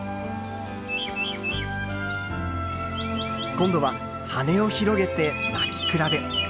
今度は羽を広げて鳴き比べ。